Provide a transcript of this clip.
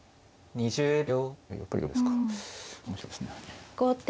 ２０秒。